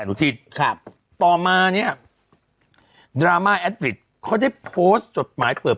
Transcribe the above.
อุทิศครับต่อมาเนี้ยดราม่าแอดริดเขาได้โพสต์จดหมายเปิด